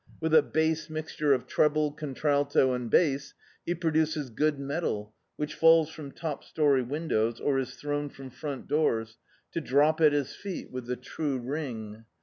With a base mixture of treble, contralto and bass, he produces good metal which falls from top story windows, or is thrown from front doors, to drop at his feet with the true ring.